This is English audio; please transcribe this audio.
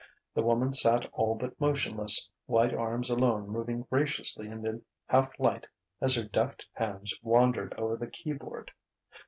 The woman sat all but motionless, white arms alone moving graciously in the half light as her deft hands wandered over the key board.